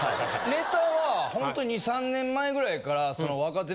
ネタはほんと２３年前ぐらいから。